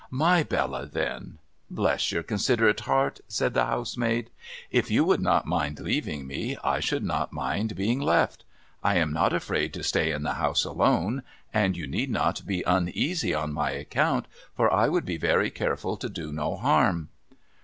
* My Bella, then.' ' Bless your considerate heart !' said the housemaid. ' If you would not mind leaving me, I should not mind being left. I am not afraid to stay in the house alone. And you need not be uneasy on my account, for I would be very careful to do no harm.'